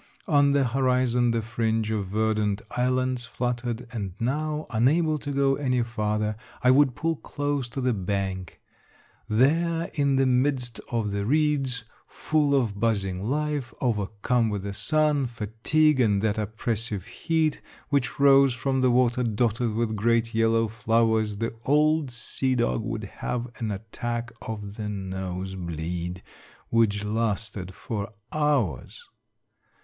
On the horizon the fringe of verdant islands fluttered, and now, unable to go any farther, I would pull close to the bank ; there, in the midst of the reeds, full of buzzing life, over come with the sun, fatigue, and that oppressive heat which rose from the water dotted with great yellow flowers, the old sea dog would have an at 'tack of the nose bleed, which lasted for hours.